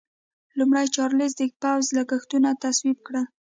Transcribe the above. لومړي چارلېز د پوځ لګښتونه تصویب کړل.